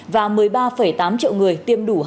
và một mươi ba tám triệu người tiêm đủ